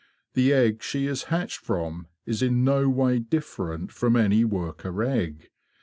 The egg she is hatched from is in no way different from any worker egg.